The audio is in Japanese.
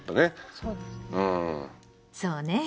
そうね。